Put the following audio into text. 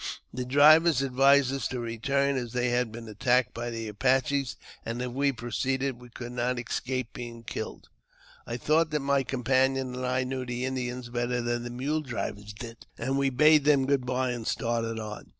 The drivers advised us to return, as they had been attacked by the Apaches, and if we proceeded we could not escape being killed. I thought that my companion and I knew the Indians better than the mule drivers did, and we bade them good bye and started on.